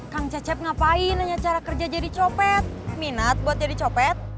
kang cecep ngapain hanya cara kerja jadi copet minat buat jadi copet